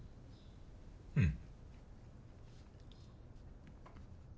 うん。